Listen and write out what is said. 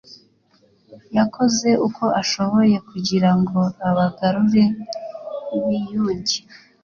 yakoze uko ashoboye kugira ngo abagarure biyunge